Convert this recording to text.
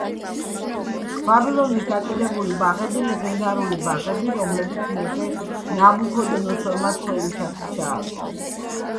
ბაბილონის დაკიდებული ბაღები ლეგენდარული ბაღები, რომლებიც მეფე ნაბუქოდონოსორმა ცოლისთვის ააგო.